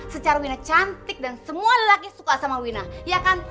secara wina cantik dan semua lagi suka sama wina ya kan